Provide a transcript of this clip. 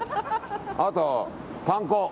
あとパン粉。